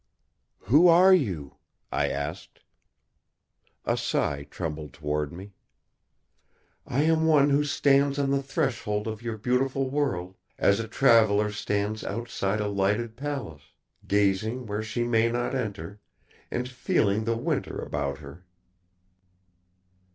"Who are you?" I asked. A sigh trembled toward me. "I am one who stands on the threshold of your beautiful world, as a traveler stands outside a lighted palace, gazing where she may not enter, and feeling the winter about her."